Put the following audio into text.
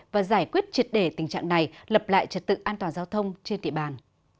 và giải quyết triệt đề tình trạng này lập lại trật tự an toàn giao thông trên địa bàn